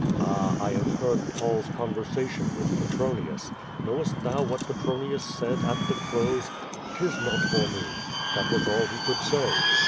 Ah, I have heard Paul's con versation with Petronius. Knowest thou what Petronius said at the close? *'Tis not for me.' That was all he could say."